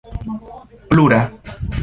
plura